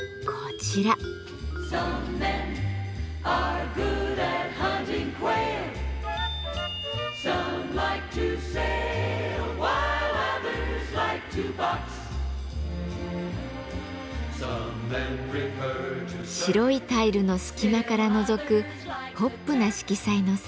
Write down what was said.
白いタイルの隙間からのぞくポップな色彩の三角形。